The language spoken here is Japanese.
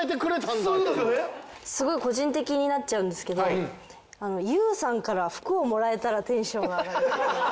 すごい個人的になっちゃうんですけどＹＯＵさんから服をもらえたらテンションが上がる。